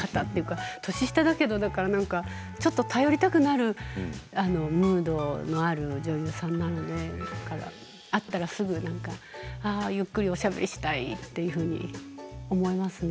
年下だけどちょっと頼りたくなるムードのある女優さんなので会ったらすぐゆっくりおしゃべりしたいっていうふうに思いますね。